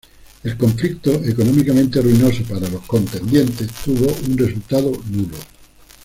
El conflicto, económicamente ruinoso para los contendientes, tuvo un resultado nulo.